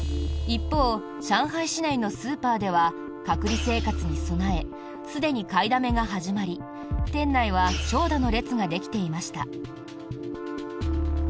一方、上海市内のスーパーでは隔離生活に備えすでに買いだめが始まり店内は長蛇の列ができていました。